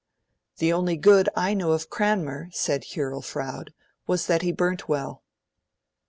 'The only good I know of Cranmer,' said Hurrell Froude, 'was that he burned well.'